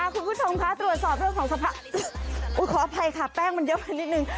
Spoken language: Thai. คุณผู้ชมคะตรวจสอบเรื่องของสภาพขออภัยค่ะแป้งมันเยอะไปนิดนึง